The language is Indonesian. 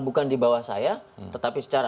bukan di bawah saya tetapi secara